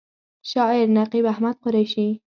شاعر: نقیب احمد قریشي